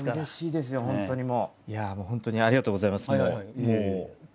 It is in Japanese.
いやもう本当にありがとうございます。